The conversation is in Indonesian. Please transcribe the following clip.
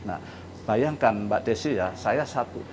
nah bayangkan mbak desi ya saya satu